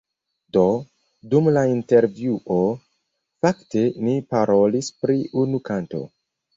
Do, dum la intervjuo; fakte ni parolis pri unu kanto